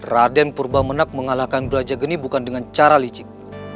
raden purba menang mengalahkan brajageni bukan dengan cara lecik